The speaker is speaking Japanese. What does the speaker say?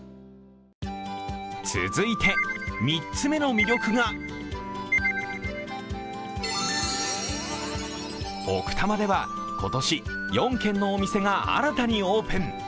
続いて３つ目の魅力が奥多摩では今年、４軒のお店が新たにオープン。